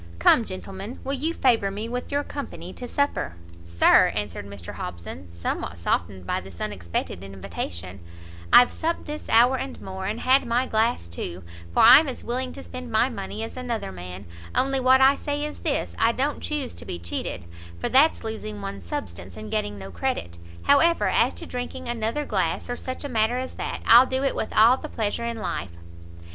Come, gentlemen, will you favour me with your company to supper?" "Sir," answered Mr Hobson, somewhat softened by this unexpected invitation, "I've supped this hour and more, and had my glass too, for I'm as willing to spend my money as another man; only what I say is this, I don't chuse to be cheated, for that's losing one's substance, and getting no credit; however, as to drinking another glass, or such a matter as that, I'll do it with all the pleasure in life."